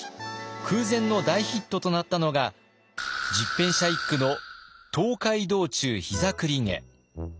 空前の大ヒットとなったのが十返舎一九の「東海道中膝栗毛」。